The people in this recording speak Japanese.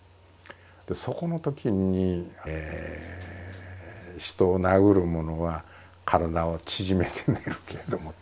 でそこのときに「人を殴る者は体を縮めて寝るけれども」。